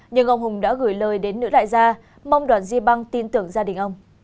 nhưng ông hùng đã gửi lời đến nữ đại gia mong đoàn duy băng tin tưởng gia đình ông